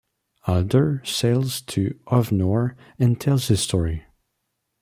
Alder sails to Havnor and tells his story.